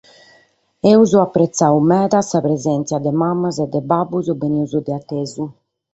Amus pretziadu meda sa presèntzia de mamas e de babbos bènnidos dae a tesu.